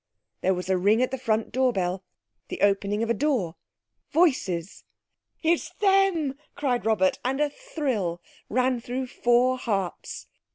There was a ring at the front door bell. The opening of a door. Voices. "It's them!" cried Robert, and a thrill ran through four hearts.